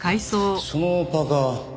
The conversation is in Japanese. そのパーカ。